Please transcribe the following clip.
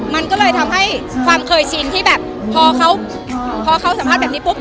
มันก็เลยทำให้ความเคยชินที่แบบพอเขาสัมภาษณ์แบบนี้ปุ๊บ